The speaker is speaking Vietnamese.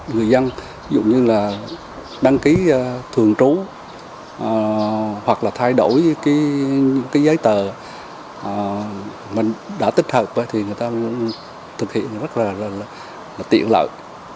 người dân đăng ký thường trú hoặc thay đổi giấy tờ đã tích hợp người dân thực hiện rất tiện lợi